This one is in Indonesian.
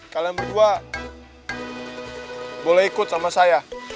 kalian berdua boleh ikut sama saya